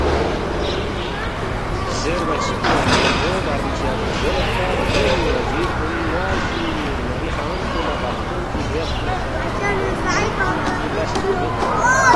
زیربا چِک نہ ن٘یمبو بادشاہ سی زیریدپا، ”لے ن٘ی وزیر کُن ن٘ا سی ن٘ری خان پو لہ بخستون چی بیاس نہ سہ کِھدانگ میدپی ن٘ی لس چی مید